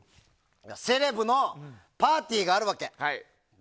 セレブのパーティーがあるわけ。